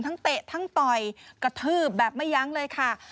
เตะทั้งต่อยกระทืบแบบไม่ยั้งเลยค่ะ